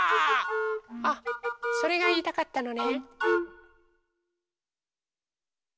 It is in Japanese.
あっそれがいいたかったのね。